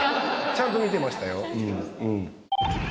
ちゃんと見てましたよ。